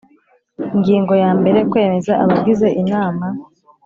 Ingingo yambere Kwemeza abagize inama